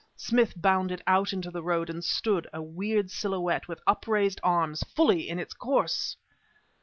Smith bounded out into the road, and stood, a weird silhouette, with upraised arms, fully in its course!